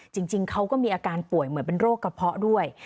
จริงเขาก็มีอาการป่วยเหมือนเป็นโรคกระเพาะด้วย